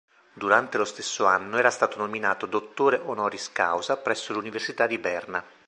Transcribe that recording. Durante lo stesso anno era stato nominato Dottore honoris causa presso l'Università di Berna.